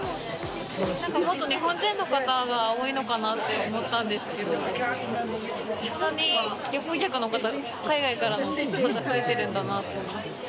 なんかもっと日本人の方が多いのかなって思ったんですけど、こんなに旅行者の方、海外からの方、増えてるんだなと。